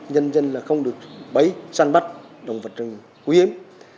nhân dân không được bẫy săn bắt đồng vật quý hiếm